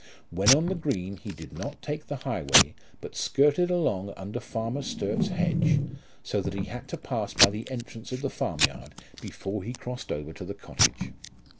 When on the green he did not take the highway, but skirted along under Farmer Sturt's hedge, so that he had to pass by the entrance of the farmyard before he crossed over to the cottage.